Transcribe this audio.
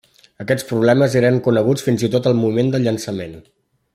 Aquests problemes eren coneguts fins i tot al moment del llançament.